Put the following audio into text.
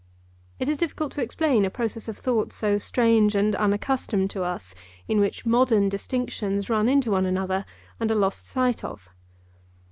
It is difficult to explain a process of thought so strange and unaccustomed to us, in which modern distinctions run into one another and are lost sight of.